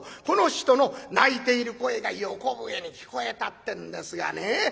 この人の泣いている声が横笛に聞こえたってんですがね